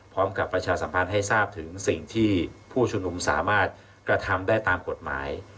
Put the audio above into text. ประชาสัมพันธ์ให้ทราบถึงสิ่งที่ผู้ชุมนุมสามารถกระทำได้ตามกฎหมาย